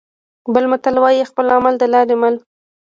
بل متل وايي: خپل عمل د لارې مل.